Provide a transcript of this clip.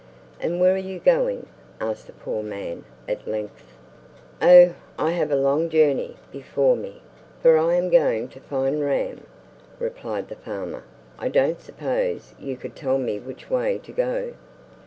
"And where are you going?" asked the poor man, at length. "Oh, I have a long journey before me, for I am going to find Ram!" replied the farmer. "I don't suppose you could tell me which way to go?"